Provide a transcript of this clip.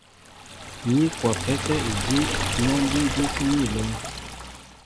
Ní kwapɛ́kɛ́ idí' nɛ́ mbʉ́ʉ́ jə́síní a lɛ́n.